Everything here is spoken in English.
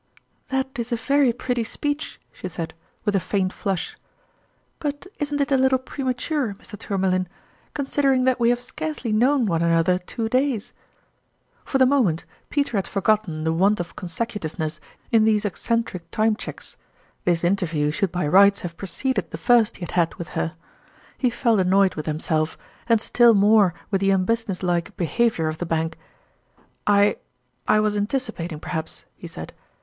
" That is a very pretty speech," she said, with a faint flush ;" but isn't it a little premature, Mr. Tourmalin, considering that we have scarce ly known one another two days !" For the moment, Peter had forgotten the want of consecutiveness in these eccentric Time Cheques. This interview should by rights have preceded the first he had had with her. He felt annoyed with himself, and still more with the unbusiness like behavior of the Bank. "I I was anticipating, perhaps," he said.